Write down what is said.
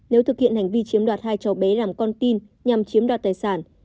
nếu thực hiện hành vi chiếm đoạt hai cháu bé làm con tin nhằm chiếm đoạt tài sản